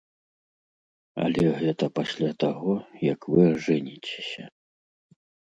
Але гэта пасля таго, як вы ажэніцеся.